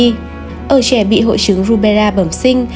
người trẻ bị hội chứng rubella bẩm sinh